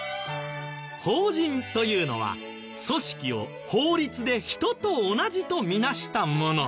法人というのは組織を法律で人と同じとみなしたもの。